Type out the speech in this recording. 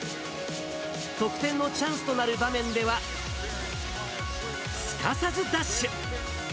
得点のチャンスとなる場面では、すかさずダッシュ。